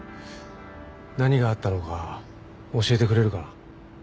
何があったのか教えてくれるかな？